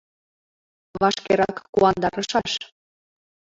Вашкерак куандарышаш».